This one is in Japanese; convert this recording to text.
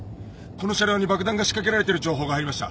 この車両に爆弾が仕掛けられてる情報が入りました。